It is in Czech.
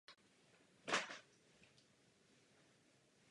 Pro jeden body pro tým Hyundai dojíždí Armin Schwarz.